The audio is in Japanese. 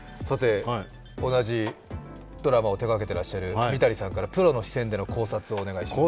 同じドラマを手がけていらっしゃる三谷さんからプロの視線での考察をお願いします。